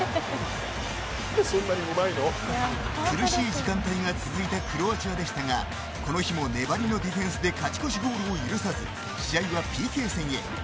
苦しい時間帯が続いたクロアチアでしたがこの日も粘りのディフェンスで勝ち越しゴールを許さず試合はＰＫ戦へ。